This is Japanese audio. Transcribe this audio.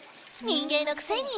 「人間のくせに」？